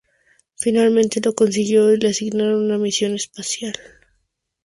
Finalmente lo consiguió y le asignaron una misión espacial.